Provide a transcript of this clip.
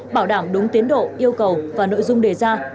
bảo đảm đúng tiến độ yêu cầu và nội dung đề ra